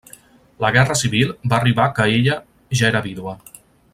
La Guerra Civil va arribar que ella ja era vídua.